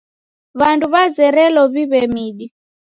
W'andu w'azerelo w'iw'e midi.